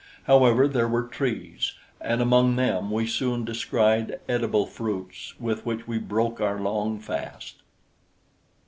However, there were trees, and among them we soon descried edible fruits with which we broke our long fast.